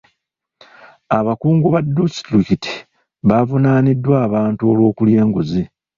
Abakungu ba disitulikiti bavuunaaniddwa abantu olw'okulya enguzi.